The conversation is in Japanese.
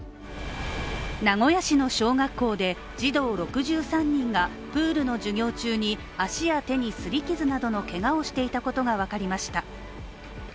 名古屋市の小学校で、児童６３人がプールの授業中に足や手に擦り傷などのけがをしていたことが分かりました。